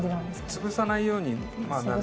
潰さないように。